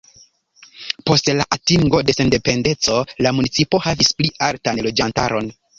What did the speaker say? Post la atingo de sendependeco la municipo havis pli altan loĝantaron.